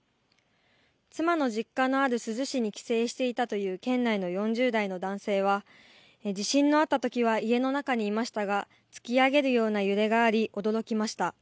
妻の実家のある珠洲市に帰省していたという県内の４０代の男性は地震のあった時は家の中にいましたが突き上げるような揺れがあり驚きました。